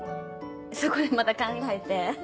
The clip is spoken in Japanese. そこでまた考えて。